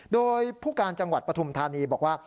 โดยผู้การจังหวัดปฐุมธานีบอกว่า